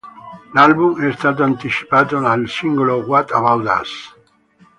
L'album è stato anticipato dal singolo "What About Us".